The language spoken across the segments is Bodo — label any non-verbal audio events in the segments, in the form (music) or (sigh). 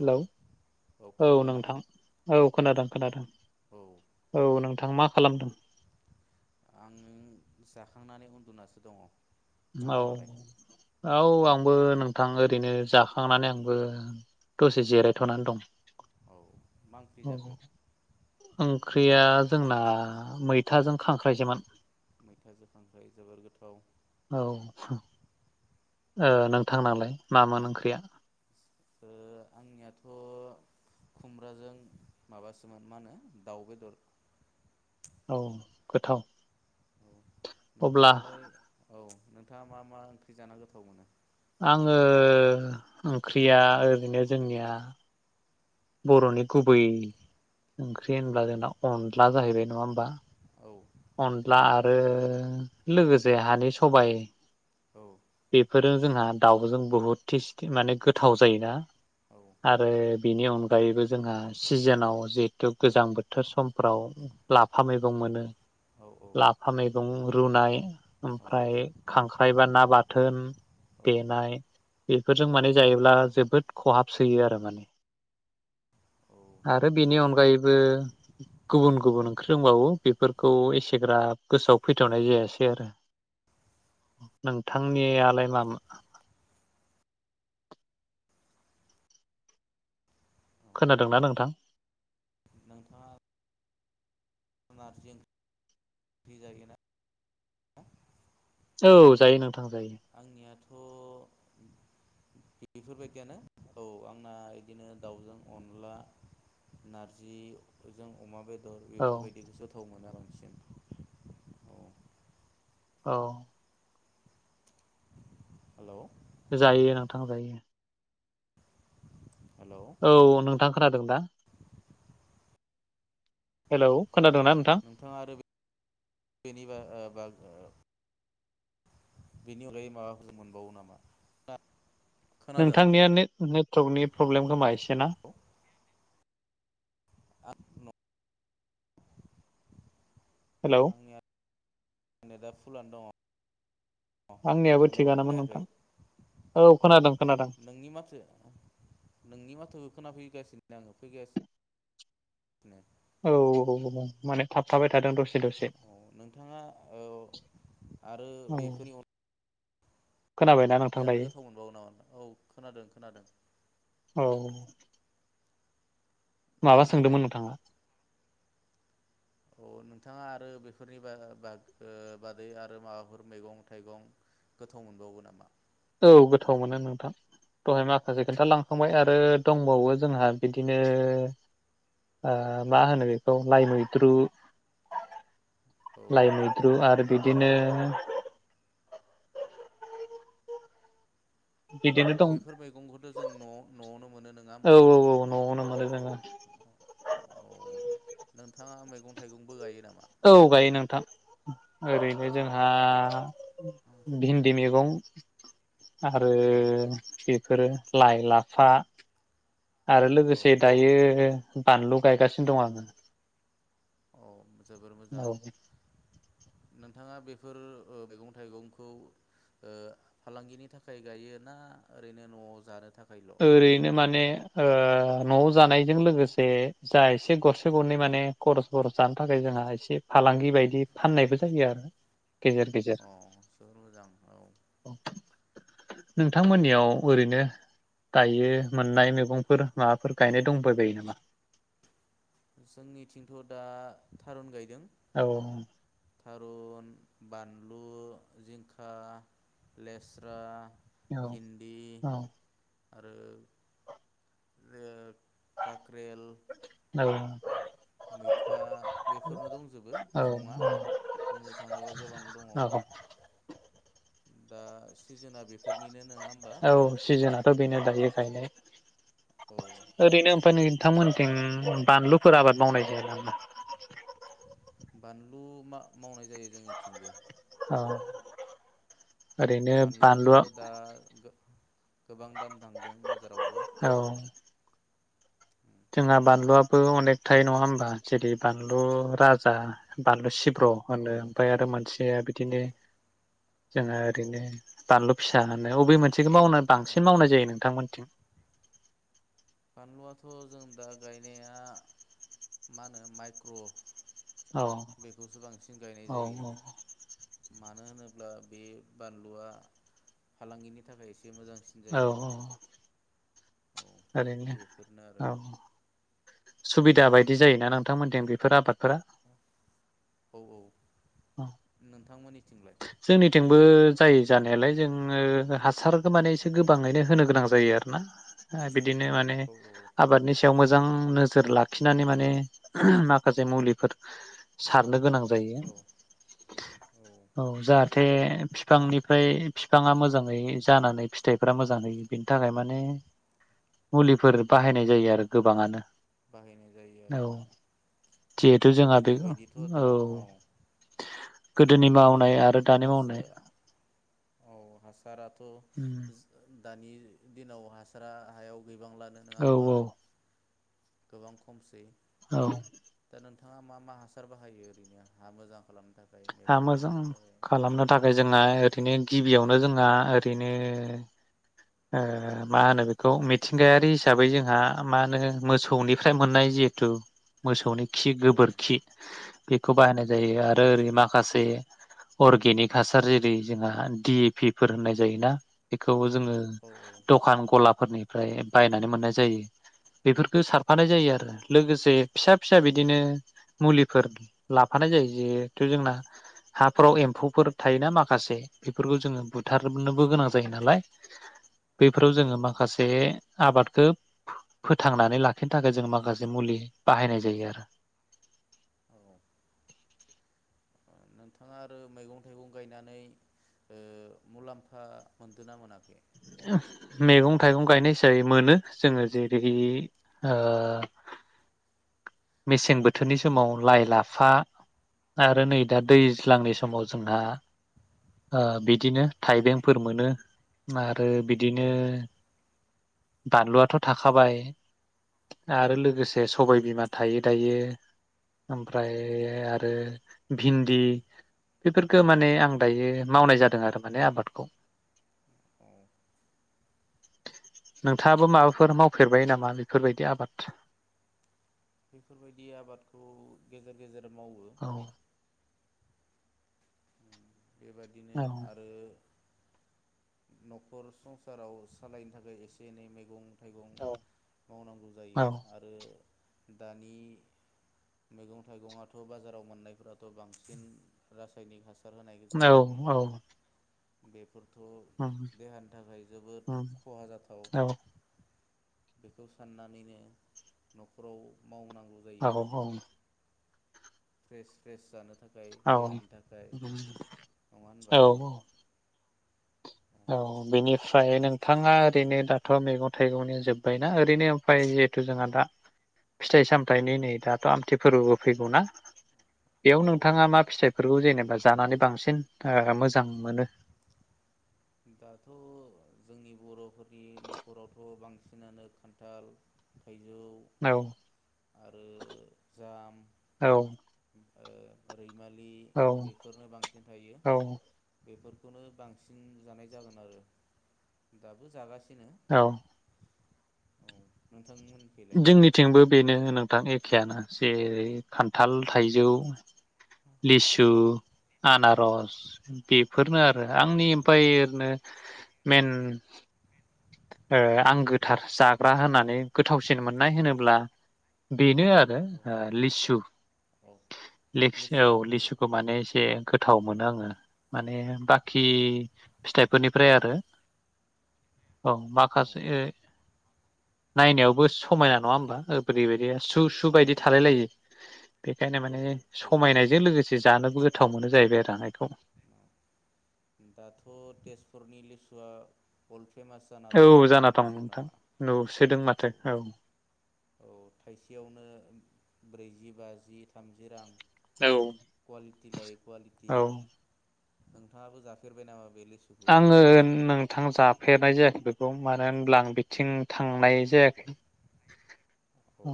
हेलौ औ खोनादों ना नोंथां औ खोनादों खोनादों औ औ नोंथां मा खालामदों? आं जाखांनानै उन्दुनासो दङ। औ नोंथाङालाय औ आं आंबो नोंथां ओरैनो जाखांनानै आंबो दसे जिरायथ'नानै दं। औ मा ओंख्रि जाखो ओंख्रिया जोंना मैथाजों खांख्रायसोमोन। मैथाजों खांख्रायजों जोबोर गोथाव। औ। ओ नोंथांनालाय मामोन ओंख्रिया? ओ आंनियाथ' खुमब्राजों माबासोमोन ओ मा होनो दाउ बेदर। औ गोथाव। औ अब्ला नोंथाङालाय औ। नोंथाङा मा मा ओंख्रि जाना गोथाव मोनो? आंङो ओंख्रिया ओरैनो जोंनिया बर'नि गुबै ओंख्रि होनब्ला जोंना अनला जाहैबाय नङा होमबा। औ अन्ला आरो लोगोसे हानि सबाय। औ। बेफोरजों जोंहा दाउजों बहुद टेस्टि माने गोथाव जायोना। औ आरो बेनि अनगायैबो जोंहा सिजोनाव जिहेथु गोजां बोथोर समफ्राव लाफा मैगं मोनो औ लाफा मैगं रुनाय ओमफ्राय खांख्राइ बा ना बाथोन औ देनाय औ बेफोरजों माने जायोब्ला जोबोद खहाब सोयो आरो माने। आरो बेनि अनगायैबो गुबुन गुबुन ओंख्रि दंबावो बेफोरखौ एसेग्राब गोसोआव फैथ'नाय जायासै आरो। नोंथांनियालाय मामोन? औ खोनादोंना नोंथां? नोंथाङा? नारजि ओंख्रिर जायोना? औ जायो नों आंनियाथ' बेफोरबायदियानो औ आंना इदिनो दाउजों अनला नारजिजों अमा बेदर बेदर औ बेफोरबायदिखौसो थाव मोनो आं। औ। हेल'? जायो नोंथां जायो। हेलौ औ नोंथां खोनादों ना? हेलौ? खोनादोंना नोंथां नोंथाङा आरो बेनिबा ओ बा ओ बेनि अनगायै माबाफोरसो मोनबावो नामा? खोनादों नोंथांनिया ने-नेटवार्कनि प्रब्लेम खोमा एसे ना? आं न हेलौ आंनिया नेटआ फुलानो दङ। आंनियाबो हेल' थिगानोमोन खोनायाखै? नोंथां औ खोनादों खोनादों नोंनि माथो नोंनि माथोखौ खोनाफैगासिन (inaudible) फैगासि औ औ औ माने थाबथाबाय थादों दसे। दसे औ नोंथाङा औ आरो औ बेफोरनि अन खोनाबायना नोंथां जानो दायो गोथाव मोनबावो नामा नों? औ खोनादों खोनादों। औ दे माबा बुंलाय सोंदोंमोन नोंथाङा? अ नोंथाङा आरो बेफोरनि बा-बाग ओ बादै आरो माबाफोर मैगं थाइगं गोथाव मोनबावो नामा? औ गोथाव मोनो नोंथां। दहाय माखासे औ खिन्थालांखांबाय आरो दं फुवावबो जोंहा बिदिनो ओ मा होनो बेखौ लाइ मैद्रु औ लाइ मैद्रु आरो बिदिनो बिदिनो दं बेफोर मैगंखौथ' जों न-न' आवनो मोनो नोङा औ होनबा? औ न'आवनो मोनो जोङो औ नोंथाङा मैगं मैगं थाइगबो गाइयो ना औ गायो नोंथां। ओरै हाय जोंहा औ बिन्दि मेगं आरो औ फोरो लाइ लाफा आरो औ लोगोसे दायो बानलु गायगासिनो दं आङो। औ मोज जोबोर मोजां औ नोंथाङा बेफोर ओ मैगं थाइगंखौ ओ फालांगिनि थाखाय गायो ना ओरैनो नआव जानो थाख ओरैनो माने ओ नआव जानायजों लोगोसे जा एसे गरसे गरनै माने खरस बरस जानो थाखाय जोंहा एसे फालांगि बायदि फाननायबो जायो आरो। गेजेर गेजेर अ जोबोर मोजां औ नोंथांमोननियाव ओरैनो दायो मोननाय मैगंफोर माबाफोर गायनाय दंबायबायो नामा? जोंनिथिंथ दा थारुन गाय औ थारुन बानलु जिंखा लेस्रा औ भिन्दि। औ आरो। ओ काक्रेल मैथा बेफोरनो दंजोबो मैगंआ औ बुंनो थाङोबा गोबां दङ। औ दा जोना बेफोरनिनो नोङा होमबा? औ सिजोनाथ' बेनो दायो गायनाय। औ ओरैनो ओमफ्राय ओरैनो नोंथांमोनथिं बानलु। फोर आबाद मावनाय जाया नामा? बानलु मा-मावनाय जायो जोंनिथिंबो। औ। ओरैनो बानलुआथ' बानलुआ दा गोबां दाम। बांदों बाजारावबो। औ जोंहा बानलुआबो अनेक थायो नङा होमबा जेरै बानलु राजा बानलु सि औ (unintelligible) आरो मोनसे औ बिदिनो जों औ ओैनो बानलु। फिसा होनायाव बे मोनसे। (unintelligible) मावनानै बांसिन बानलु मावनाय जायो नोंथांमोनथिं। बानलुआथ' जों दा गायनाया मा होनो माइक्र'। औ बेखौसो बांसिन गायनाय औ जायो। मानो होनोब्ला बे बानलुआ फालांगिनि थाखाय एसे। मोजांसिन जायो। औ थारैनो बेफोरनो आरो औ। सुबिदा बाय। दि जायोना नोंथांमोनथिं बेफोर आबादफोरा। औ नोंथांमोननि। जोंनिथिंबो। जायो जानायालाय जोङो हासारखौ माने एसे गोबाङैनो होनो गोनां जायो आरोना। बिदिनो माने औ आबादनि सायाव मो जां नोजोर लाखिनानै माने माखासे मुलिफोर सारनो गोनां। जायो। औ औ जाहाथे फिफांनिफ्राय फिफाङा मोजाङै जानानै फिथाइफ्रा मोजाङै बिनि थाखाय माने मुलिफोर। बाहायनाय जायो औ आरो गोबाङानो बाहायनाय जायो औ आरो आं जिहेथु जोंहा गोदोनि बे बायदिथ' औ। दा गोदोनि आरो बेबादिथ' दानि हासो मावनाय औ हासार ओम दानि दिनाव हासारा हायाव बिबां लानो नङा औ होमबा। औ गोबां खमसै। औ दा नोंथाङा मा मा हासार बाहायो ओरैनो हा मोजां खालामनो थाय हा मैगं मोजां थाइगंनि थाखाय खालामनो थाखाय जोंहा ओरैनो गिबियावनो जोंहा ओरैनो ओ मा होनो बेखौ मिथिंगायारि हिसाबै जोंहा मा होनो मोसौनिफ्राय मोननाय जिहेथु मोसौनि खि औ गोबोरखि बेखौ बाहायनाय औ जायो आरो। माखासे अरगेनिक हासार जेरै जोंहा डि ए पि फोर होननाय जायोना बेखौ जोङो औ दखान गलाफोरनि फ्राय बायनानै मोननाय जायो बे खौ सारफानाय जायो आरो लोगोसे फिसा फिसा बिदिनो मुलिफोर लाफानाय जायो जे जोंना हाफोराव एम्फौफोर थायोना माखासे बेफोरखौ जोङो बुथारनोबो गोनां जायो नालाय बैफोराव औ जोङो माखासे आबादखौ फोथांनानै लाखिनो थाखाय जों माखासे मुलि बाहायनाय जायो आरो। औ औ नोंथाङा आरो मैगं थाइगं गायनानै ओ मुलामफा मोनदोंना मोनाखै? मैगं थाइगं गायनाय हिसाबै मोनो जोङो जेरै ओ मेसें बोथोरनि समाव लाइ लाफा आरो नै दा औ दैज्लांनि समाव जोंहा ओ बिदिनो थाइबेंफोर मोनो ओ आरो औ बिदिनो बानलुवाथ' थाखाबाय आरो औ लोगोसे सबाय बिमा थायो दायो औ ओमफ्राय आरो भिन्दि बेफोरखौ माने औ आं दायो मावनाय जादों आरो माने आबादखौ औ नोंथाङाबो माबाफोर मावफेरबाय नामा बेफोरबायदि आबाद बेफोरबायदि आबादखौ गेजेर गेजेर मावो औ बेबादिनो औ आरो न'खर संसाराव सालायनो थाखाय एसे एनै मैगं थाइगं मावनांगौ जायो आरो दानि मैगं थाइगङाथ' बाजाराव मोननायफोराथ' बांसिन रासायनिक हासार होनो औ औ बेे उम फोरथ' देहानि थाखाय जोबोद उम खहा जाथाव औ बेखौ साननानैनो न'खराव मावनांगौ औ जायो फ्रेस फ्रेस जानो थाखाय औ देहानि थाखाय नंङा होनबा औ औ बेनिफ्राय नोंथांङा ओरैनो दाथ' मैगं थाइगंनि जोब्बायना ओरैनो ओमफ्राय जिहेथु जोंहा दा फिथाइ सामथायाइनि नै दाथ' आमथि फोरबोबो फैगौना बेयाव औ नोंथांङा मा फिथाइफोरखौ जेनेबा जानानै बांसिन आ मोजां मोनो दाथ' जोंनि बर'फोरनि न'खरावथ' बांसिनानो खान्थाल थाइजौ औ आरो जाम औ ओरै हमालि औ बेफोरनो बांसिन थायो बेफोर खौनो बांसिन जानाय जागोन आरो दाबो जागासिनो औ औ नोंथांमोनखैलाय जोंनिथिंबो बेनो होनो गोथां एखेयानो जेरै खान्थाल थाइजौ लिसु औ आनारस द फोरनो आरो औ आंनि इम्पाय एरैनो मेन आ आं गोथार जाग्रा होननानै गोथावसिन मोननाय होनोब्ला बे बेनो आरो औ आ लिसु औ लेकस औ लिसुखौ माने एसे गोथाव मोनो आंडो माने बा खि औ फिथाइफोरनिफ्राय आरो। औ माखासे औ नायनायावबो समायना नंङा होमबा बोरैबायदि। सु-सु औ बायदि थालाय लायो बेखायनो औ माने थायो थायो समायनायजों लोगोसे जानोबो गो गोथाव मोनो जाहैबाय रानायखौ। दाथ' तेजपुरनि लिसुवआ अल औ जाना दं नोंथां नुसोदों माथो औ। औ थाइसेयावनो ब्रैजि बाजि थामजि रां औ क्वालिटि लायै क्वलिटि नोंथांङाबो जाफेरबाय नामा? बे लिसुखौ आंङो नोंथां जा फेरनाय जायाखै बेखौ मानो होनब्ला बिथिं थांनाय जायाखै। औ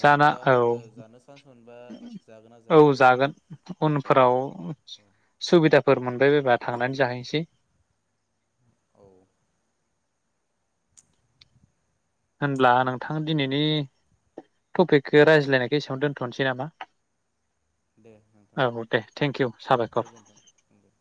जाना औ ओ जानो चान्स मोनबा (unintelligible) जागोन ना औ जाया नोंथाङा? जागोन उनफोराव सुबिदाफोर मोनबाय बायबा थांनानै जाहैनोसै। (unintelligible) औ होनब्ला नोंथां दिनैनि टपिकखौ रायज्लायनायखो एसेबावनो दोन्थ'नोसै नामा। दे नोंथां औ दे थेंक इउ साबायखर गोजोनथों दे।